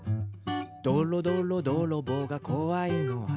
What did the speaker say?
「どろどろどろぼうがこわいのは？」